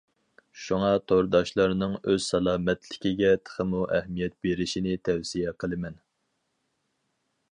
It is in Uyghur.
شۇڭا تورداشلارنىڭ ئۆز سالامەتلىكىگە تېخىمۇ ئەھمىيەت بېرىشىنى تەۋسىيە قىلىمەن.